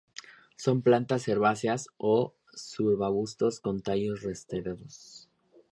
Son plantas herbáceas o subarbustos con tallos rastreros.